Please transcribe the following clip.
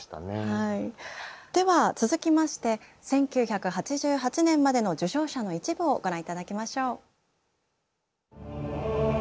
では続きまして１９８８年までの受賞者の一部をご覧頂きましょう。